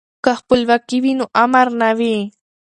که خپلواکي وي نو امر نه وي.